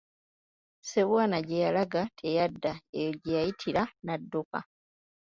Ssebwana gye yalaga teyadda, eyo gye yayitira n'adduka.